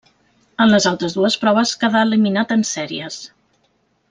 En les altres dues proves quedà eliminat en sèries.